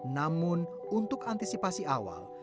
namun untuk antisipasi awal